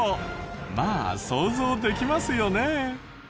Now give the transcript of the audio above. まあ想像できますよね。